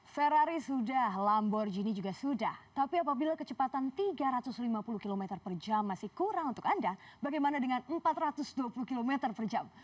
ferrari sudah lamborghini juga sudah tapi apabila kecepatan tiga ratus lima puluh km per jam masih kurang untuk anda bagaimana dengan empat ratus dua puluh km per jam